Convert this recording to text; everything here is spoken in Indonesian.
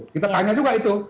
kita tanya juga itu